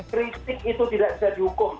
kritik itu tidak bisa dihukum